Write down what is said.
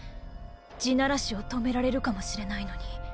「地鳴らし」を止められるかもしれないのに？